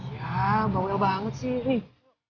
ya babel banget sih nih